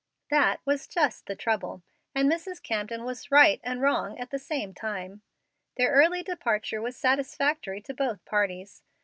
That was just the trouble, and Mrs. Camden was right and wrong at the same time. Their early departure was satisfactory to both parties.